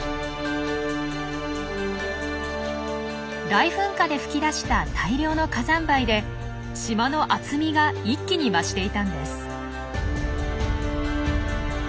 大噴火で噴き出した大量の火山灰で島の厚みが一気に増していたんです。